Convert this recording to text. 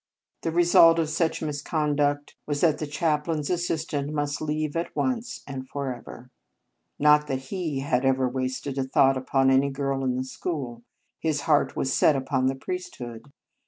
The result of such miscon 28 tylarianus duct was that the chaplain s assistant must leave at once and forever. Not that he had ever wasted a thought upon any girl in the school. His heart was set upon the priesthood.